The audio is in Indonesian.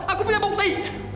aku punya bukti